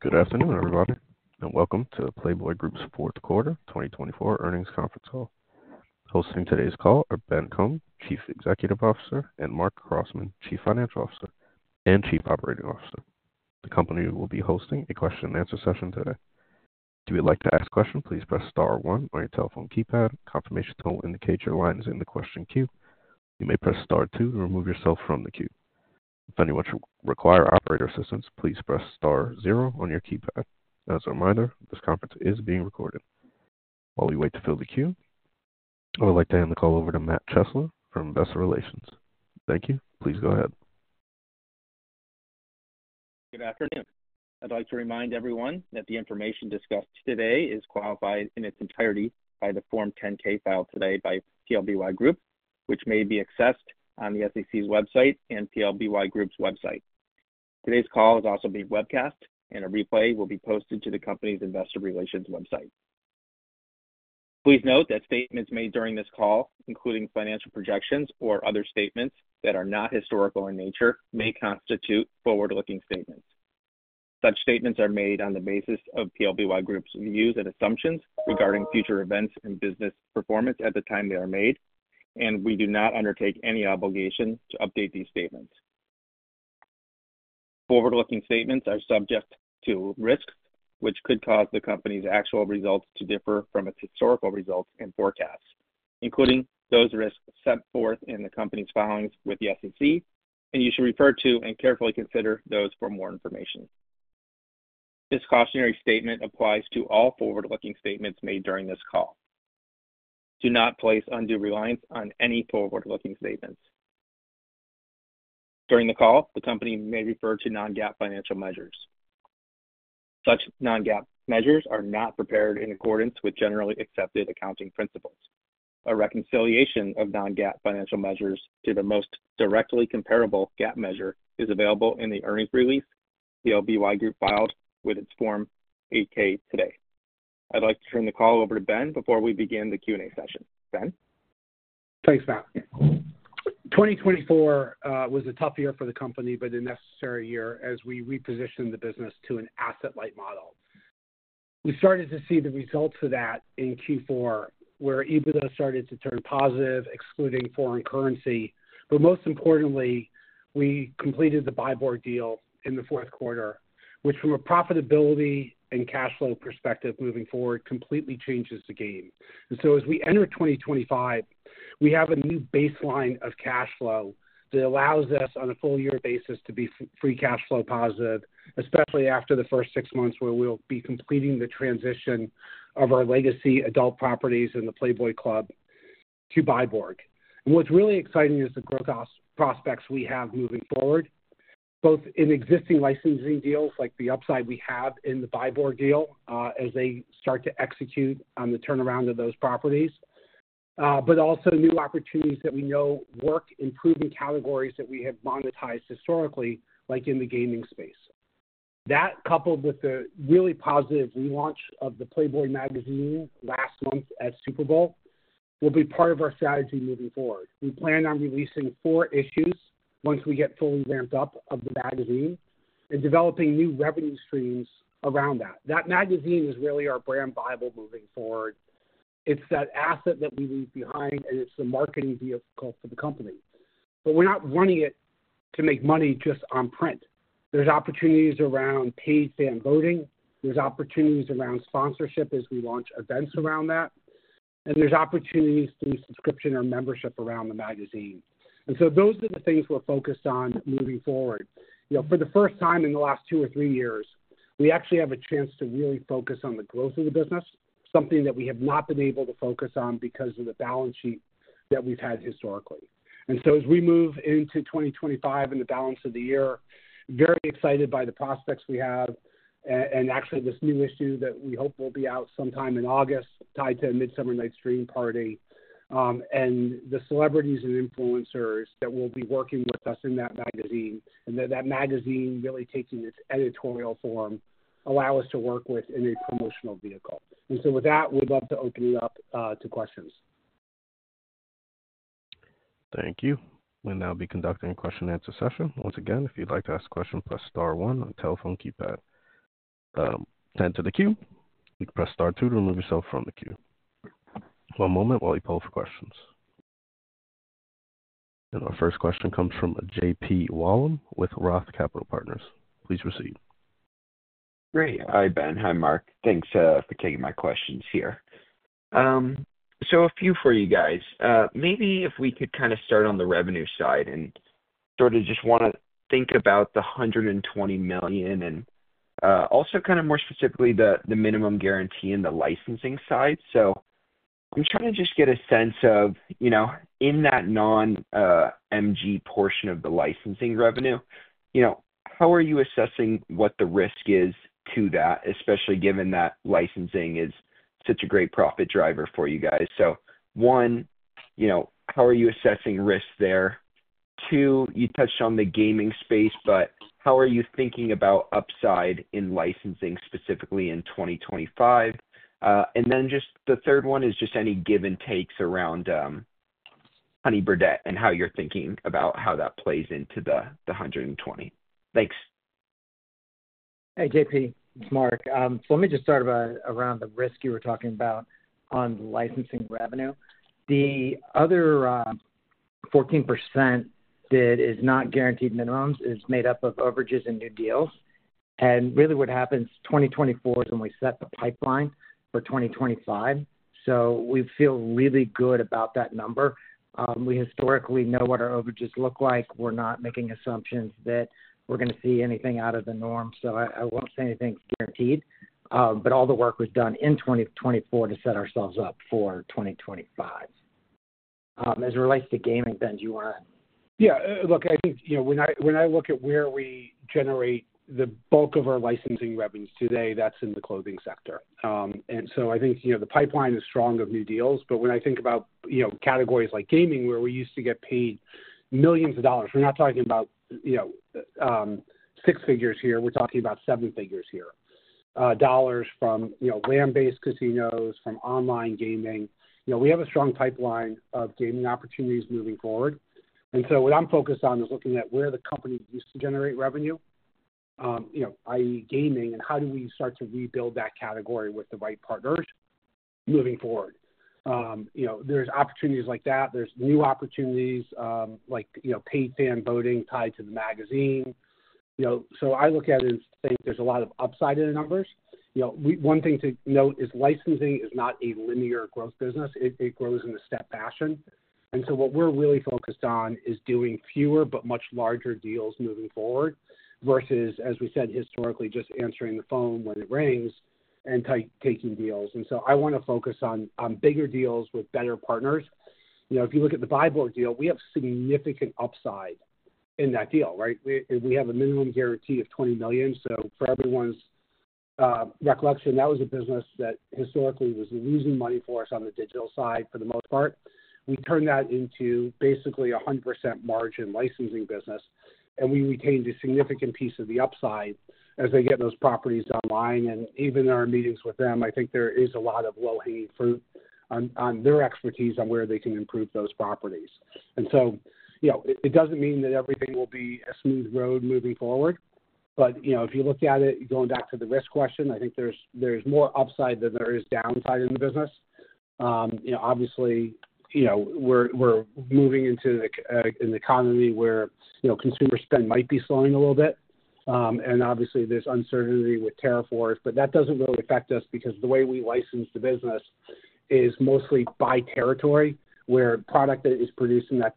Good afternoon, everybody, and welcome to the PLBY Group fourth quarter 2024 earnings conference call. Hosting today's call are Ben Kohn, Chief Executive Officer, and Marc Crossman, Chief Financial Officer and Chief Operating Officer. The company will be hosting a question-and-answer session today. If you would like to ask a question, please press star one on your telephone keypad. Confirmation will indicate your line is in the question queue. You may press star two to remove yourself from the queue. If anyone should require operator assistance, please press star zero on your keypad. As a reminder, this conference is being recorded. While we wait to fill the queue, I would like to hand the call over to Matt Chesler from Investor Relations. Thank you. Please go ahead. Good afternoon. I'd like to remind everyone that the information discussed today is qualified in its entirety by the Form 10-K filed today by PLBY Group, which may be accessed on the SEC's website and PLBY Group's website. Today's call is also being webcast, and a replay will be posted to the company's Investor Relations website. Please note that statements made during this call, including financial projections or other statements that are not historical in nature, may constitute forward-looking statements. Such statements are made on the basis of PLBY Group's views and assumptions regarding future events and business performance at the time they are made, and we do not undertake any obligation to update these statements. Forward-looking statements are subject to risks, which could cause the company's actual results to differ from its historical results and forecasts, including those risks set forth in the company's filings with the SEC, and you should refer to and carefully consider those for more information. This cautionary statement applies to all forward-looking statements made during this call. Do not place undue reliance on any forward-looking statements. During the call, the company may refer to non-GAAP financial measures. Such non-GAAP measures are not prepared in accordance with generally accepted accounting principles. A reconciliation of non-GAAP financial measures to the most directly comparable GAAP measure is available in the earnings release PLBY Group filed with its Form 8-K today. I'd like to turn the call over to Ben before we begin the Q&A session. Ben? Thanks, Matt. 2024 was a tough year for the company, but a necessary year as we repositioned the business to an asset-light model. We started to see the results of that in Q4, where EBITDA started to turn positive, excluding foreign currency. Most importantly, we completed the Byborg deal in the fourth quarter, which, from a profitability and cash flow perspective moving forward, completely changes the game. As we enter 2025, we have a new baseline of cash flow that allows us, on a full-year basis, to be free cash flow positive, especially after the first six months where we'll be completing the transition of our legacy adult properties in the Playboy Club to Byborg. What's really exciting is the growth prospects we have moving forward, both in existing licensing deals like the upside we have in the Byborg deal as they start to execute on the turnaround of those properties, but also new opportunities that we know work in proven categories that we have monetized historically, like in the gaming space. That, coupled with the really positive relaunch of the Playboy magazine last month at Super Bowl, will be part of our strategy moving forward. We plan on releasing four issues once we get fully ramped up of the magazine and developing new revenue streams around that. That magazine is really our brand Bible moving forward. It's that asset that we leave behind, and it's the marketing vehicle for the company. We're not running it to make money just on print. There's opportunities around paid fan voting. There's opportunities around sponsorship as we launch events around that. There's opportunities to do subscription or membership around the magazine. Those are the things we're focused on moving forward. For the first time in the last two or three years, we actually have a chance to really focus on the growth of the business, something that we have not been able to focus on because of the balance sheet that we've had historically. As we move into 2025 and the balance of the year, very excited by the prospects we have and actually this new issue that we hope will be out sometime in August, tied to a Midsummer Night's Dream party and the celebrities and influencers that will be working with us in that magazine and that magazine really taking its editorial form, allow us to work with in a promotional vehicle. With that, we'd love to open it up to questions. Thank you. We'll now be conducting a question-and-answer session. Once again, if you'd like to ask a question, press star one on the telephone keypad. To end the queue, you can press star two to remove yourself from the queue. One moment while we poll for questions. Our first question comes from JP Wollam with ROTH Capital Partners. Please proceed. Great. Hi, Ben. Hi, Marc. Thanks for taking my questions here. A few for you guys. Maybe if we could kind of start on the revenue side and sort of just want to think about the $120 million and also kind of more specifically the minimum guarantee and the licensing side. I'm trying to just get a sense of, in that non-MG portion of the licensing revenue, how are you assessing what the risk is to that, especially given that licensing is such a great profit driver for you guys? One, how are you assessing risk there? Two, you touched on the gaming space, but how are you thinking about upside in licensing specifically in 2025? The third one is just any give and takes around Honey Birdette and how you're thinking about how that plays into the $120 million. Thanks. Hey, JP. It's Marc. Let me just start around the risk you were talking about on licensing revenue. The other 14% that is not guaranteed minimums is made up of overages and new deals. What happens in 2024 is when we set the pipeline for 2025. We feel really good about that number. We historically know what our overages look like. We're not making assumptions that we're going to see anything out of the norm. I will not say anything is guaranteed, but all the work was done in 2024 to set ourselves up for 2025. As it relates to gaming, Ben, do you want to? Yeah. Look, I think when I look at where we generate the bulk of our licensing revenues today, that's in the clothing sector. I think the pipeline is strong of new deals. When I think about categories like gaming, where we used to get paid millions of dollars, we're not talking about six figures here. We're talking about seven figures here. Dollars from land-based casinos, from online gaming. We have a strong pipeline of gaming opportunities moving forward. What I'm focused on is looking at where the company used to generate revenue, i.e., gaming, and how do we start to rebuild that category with the right partners moving forward. There are opportunities like that. There are new opportunities like paid fan voting tied to the magazine. I look at it and think there's a lot of upside in the numbers. One thing to note is licensing is not a linear growth business. It grows in a step fashion. What we're really focused on is doing fewer but much larger deals moving forward versus, as we said, historically just answering the phone when it rings and taking deals. I want to focus on bigger deals with better partners. If you look at the Byborg deal, we have significant upside in that deal, right? We have a minimum guarantee of $20 million. For everyone's recollection, that was a business that historically was losing money for us on the digital side for the most part. We turned that into basically a 100% margin licensing business, and we retained a significant piece of the upside as they get those properties online. Even in our meetings with them, I think there is a lot of low-hanging fruit on their expertise on where they can improve those properties. It does not mean that everything will be a smooth road moving forward. If you look at it, going back to the risk question, I think there is more upside than there is downside in the business. Obviously, we are moving into an economy where consumer spend might be slowing a little bit. Obviously, there is uncertainty with tariff wars, but that does not really affect us because the way we license the business is mostly by territory, where product that is produced in that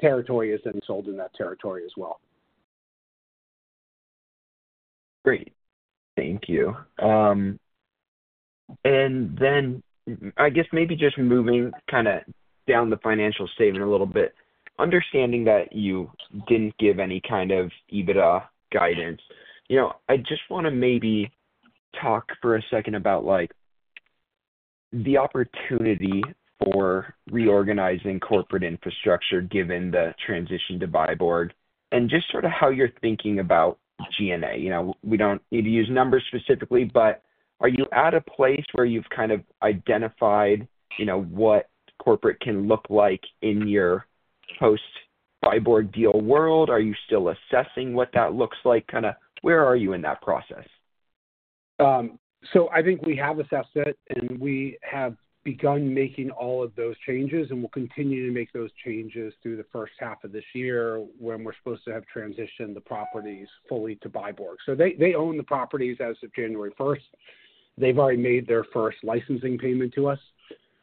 territory is then sold in that territory as well. Great. Thank you. I guess maybe just moving kind of down the financial statement a little bit, understanding that you did not give any kind of EBITDA guidance, I just want to maybe talk for a second about the opportunity for reorganizing corporate infrastructure given the transition to Byborg and just sort of how you are thinking about G&A. We do not need to use numbers specifically, but are you at a place where you have kind of identified what corporate can look like in your post-Byborg deal world? Are you still assessing what that looks like? Kind of where are you in that process? I think we have assessed it, and we have begun making all of those changes, and we'll continue to make those changes through the first half of this year when we're supposed to have transitioned the properties fully to Buy Board. They own the properties as of January 1, and they've already made their first licensing payment to us,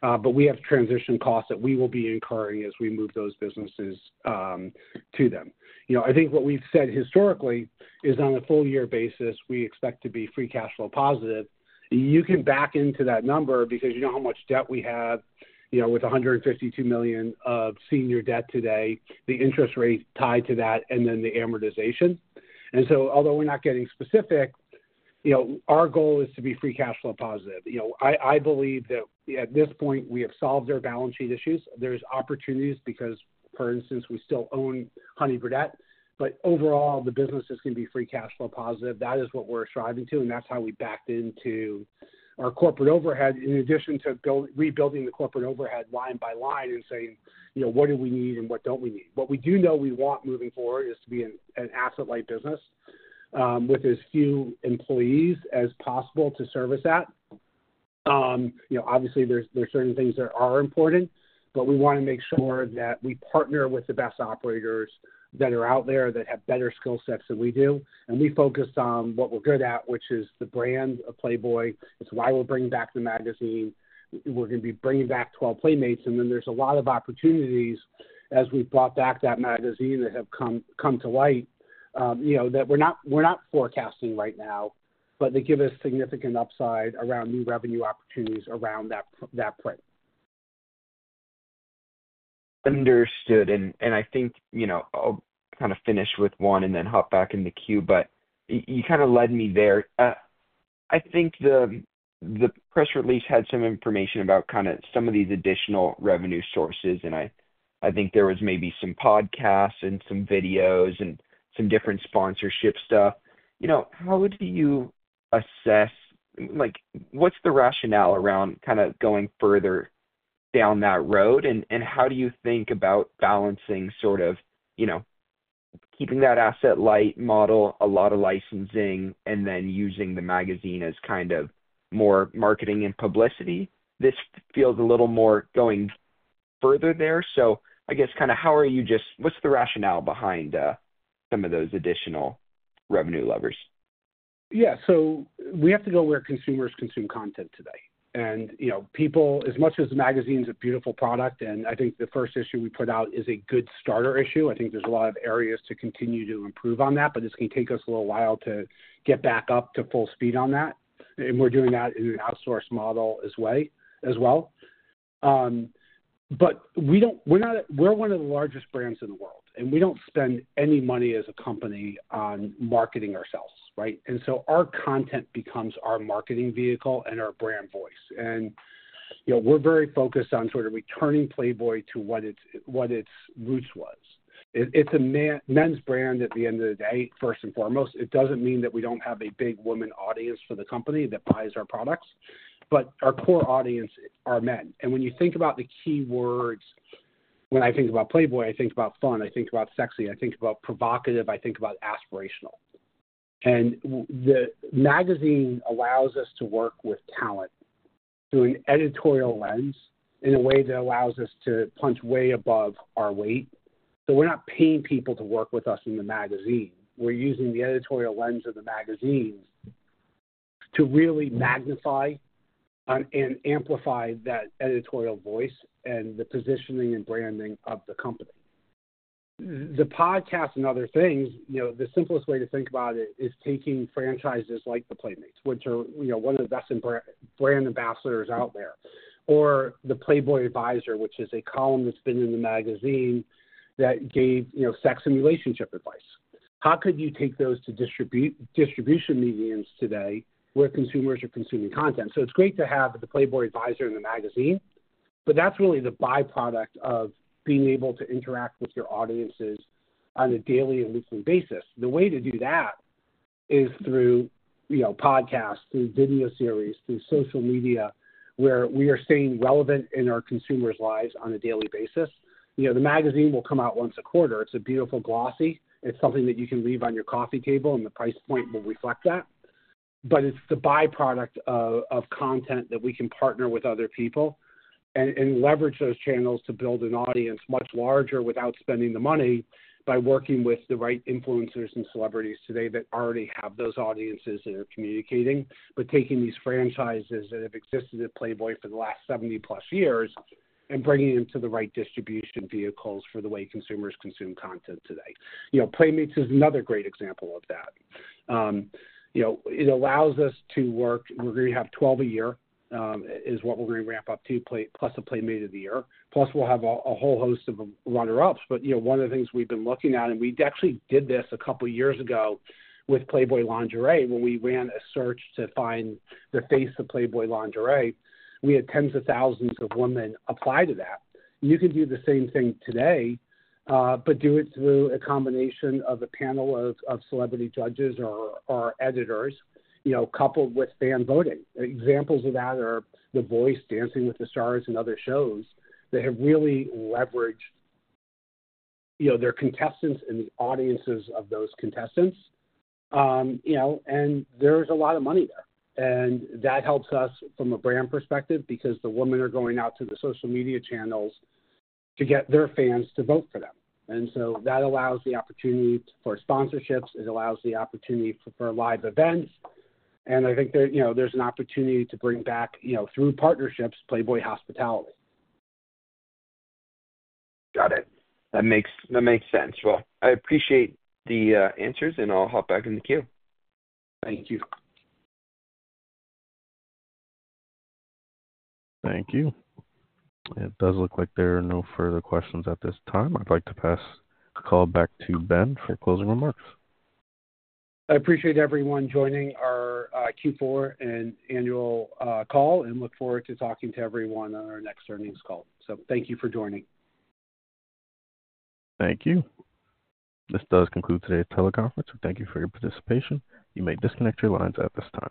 but we have transition costs that we will be incurring as we move those businesses to them. I think what we've said historically is on a full-year basis, we expect to be free cash flow positive. You can back into that number because you know how much debt we have with $152 million of senior debt today, the interest rate tied to that, and then the amortization. Although we're not getting specific, our goal is to be free cash flow positive. I believe that at this point, we have solved our balance sheet issues. There's opportunities because, for instance, we still own Honey Birdette, but overall, the business is going to be free cash flow positive. That is what we're striving to, and that's how we backed into our corporate overhead in addition to rebuilding the corporate overhead line by line and saying, "What do we need and what don't we need?" What we do know we want moving forward is to be an asset-light business with as few employees as possible to service that. Obviously, there are certain things that are important, but we want to make sure that we partner with the best operators that are out there that have better skill sets than we do. We focus on what we're good at, which is the brand of Playboy. It's why we're bringing back the magazine. We're going to be bringing back 12 Playmates. There are a lot of opportunities as we've brought back that magazine that have come to light that we're not forecasting right now, but they give us significant upside around new revenue opportunities around that print. Understood. I think I'll kind of finish with one and then hop back in the queue, but you kind of led me there. I think the press release had some information about kind of some of these additional revenue sources, and I think there was maybe some podcasts and some videos and some different sponsorship stuff. How do you assess what's the rationale around kind of going further down that road? How do you think about balancing sort of keeping that asset-light model, a lot of licensing, and then using the magazine as kind of more marketing and publicity? This feels a little more going further there. I guess kind of how are you just what's the rationale behind some of those additional revenue levers? Yeah. We have to go where consumers consume content today. People, as much as the magazine's a beautiful product, and I think the first issue we put out is a good starter issue, I think there's a lot of areas to continue to improve on that. This can take us a little while to get back up to full speed on that. We're doing that in an outsourced model as well. We're one of the largest brands in the world, and we don't spend any money as a company on marketing ourselves, right? Our content becomes our marketing vehicle and our brand voice. We're very focused on sort of returning Playboy to what its roots was. It's a men's brand at the end of the day, first and foremost. It doesn't mean that we don't have a big women audience for the company that buys our products, but our core audience are men. When you think about the keywords, when I think about Playboy, I think about fun. I think about sexy. I think about provocative. I think about aspirational. The magazine allows us to work with talent through an editorial lens in a way that allows us to punch way above our weight. We're not paying people to work with us in the magazine. We're using the editorial lens of the magazine to really magnify and amplify that editorial voice and the positioning and branding of the company. The podcast and other things, the simplest way to think about it is taking franchises like the Playmates, which are one of the best brand ambassadors out there, or the Playboy Advisor, which is a column that's been in the magazine that gave sex and relationship advice. How could you take those to distribution mediums today where consumers are consuming content? It's great to have the Playboy Advisor in the magazine, but that's really the byproduct of being able to interact with your audiences on a daily and weekly basis. The way to do that is through podcasts, through video series, through social media, where we are staying relevant in our consumers' lives on a daily basis. The magazine will come out once a quarter. It's a beautiful glossy. It's something that you can leave on your coffee table, and the price point will reflect that. It is the byproduct of content that we can partner with other people and leverage those channels to build an audience much larger without spending the money by working with the right influencers and celebrities today that already have those audiences that are communicating, but taking these franchises that have existed at Playboy for the last 70-plus years and bringing them to the right distribution vehicles for the way consumers consume content today. Playmates is another great example of that. It allows us to work. We're going to have 12 a year is what we're going to ramp up to, plus a Playmate of the Year. Plus, we'll have a whole host of runner-ups. One of the things we've been looking at, and we actually did this a couple of years ago with Playboy Lingerie when we ran a search to find the face of Playboy Lingerie, we had tens of thousands of women apply to that. You can do the same thing today, but do it through a combination of a panel of celebrity judges or editors, coupled with fan voting. Examples of that are The Voice, Dancing with the Stars and other shows that have really leveraged their contestants and the audiences of those contestants. There is a lot of money there. That helps us from a brand perspective because the women are going out to the social media channels to get their fans to vote for them. That allows the opportunity for sponsorships. It allows the opportunity for live events. I think there's an opportunity to bring back, through partnerships, Playboy hospitality. Got it. That makes sense. I appreciate the answers, and I'll hop back in the queue. Thank you. Thank you. It does look like there are no further questions at this time. I'd like to pass the call back to Ben for closing remarks. I appreciate everyone joining our Q4 and annual call and look forward to talking to everyone on our next earnings call. Thank you for joining. Thank you. This does conclude today's teleconference. We thank you for your participation. You may disconnect your lines at this time.